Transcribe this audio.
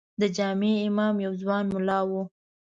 د جامع امام یو ځوان ملا و.